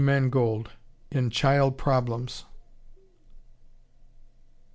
Mangold in "Child Problems."